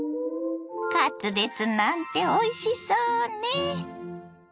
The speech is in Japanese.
カツレツなんておいしそうね。